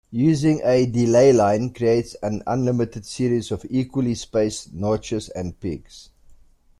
Using a delay line creates an unlimited series of equally spaced notches and peaks.